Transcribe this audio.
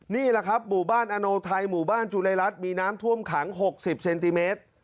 นี่แหละครับหมู่บ้านอโนไทยหมู่บ้านจุลัยรัฐมีน้ำท่วมขัง๖๐เซนติเมตร